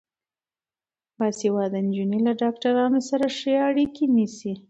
باسواده نجونې له ډاکټرانو سره ښه اړیکه نیسي.